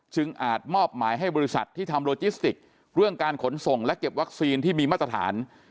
อาจมอบหมายให้บริษัทที่ทำโลจิสติกเรื่องการขนส่งและเก็บวัคซีนที่มีมาตรฐาน